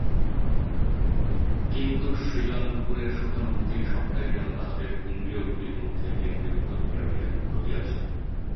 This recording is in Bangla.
কিন্তু শৃগাল-কুকুরের সুখানুভূতির সবটাই যেন তাহাদের ইন্দ্রিয়গুলির মধ্যে কেন্দ্রীভূত হইয়া রহিয়াছে।